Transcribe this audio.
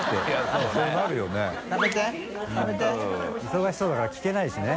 忙しそうだから聞けないしね。